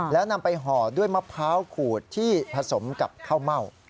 แล้วนำไปห่อด้วยมะพร้าวขูดที่ผสมกับข้าวเม่า